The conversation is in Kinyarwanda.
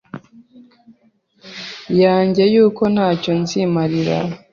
yanjye yuko ntacyo nzimarira